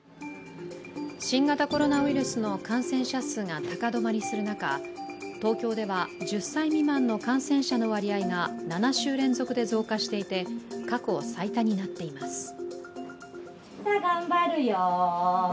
新型コロナウイルスの感染者数が高止まりする中東京では１０歳未満の感染者の割合が７週連続で増加していて過去最多になっています。